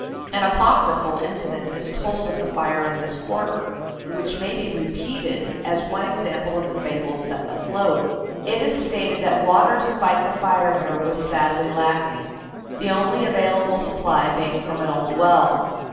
An apochryphal incident is told of the fire in this quarter, which may be repeated as one example of the fables set afloat. It is stated that water to fight the fire here was sadly lacking, the only available supply being from an old well.